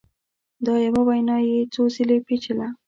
دا یوه وینا یې څو ځله پېچله